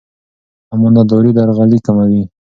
امانتداري درغلي کموي.